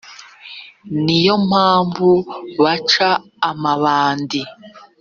ni yo mpamvu baca amabandi